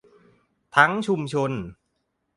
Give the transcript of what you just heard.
ทั้งชุมชน